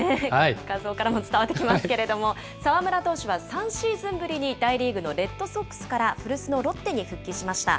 画像からも伝わってきますけれども、澤村投手は、３シーズンぶりに大リーグのレッドソックスから、古巣のロッテに復帰しました。